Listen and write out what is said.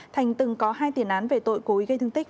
thành từng có hai tiền án về tội cố ý gây thương tích